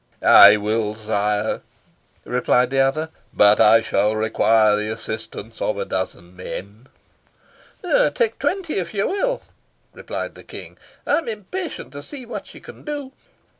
"I will, sire," replied the other. "But I shall require the assistance of a dozen men." "Tak twenty, if you will," replied the King, "I am impatient to see what you can do."